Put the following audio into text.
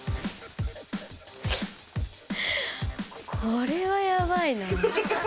これはやばいな。